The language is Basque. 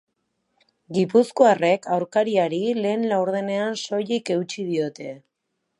Gipuzkoarrek aurkariari lehen laurdenean soilik eutsi diote.